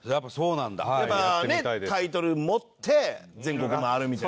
やっぱねタイトル持って全国回るみたいな。